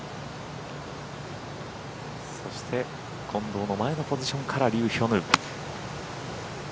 そして近藤の前のポジションからリュー・ヒョヌ。